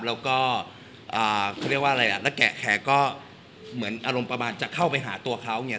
แล้วก็เขาเรียกว่าอะไรล่ะแล้วแกะแขกก็เหมือนอารมณ์ประมาณจะเข้าไปหาตัวเขาเนี่ย